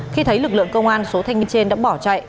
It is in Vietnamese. khi thấy lực lượng công an số thanh niên trên đã bỏ chạy